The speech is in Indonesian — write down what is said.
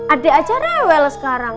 adek aja rewel sekarang